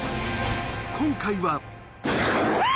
今回は。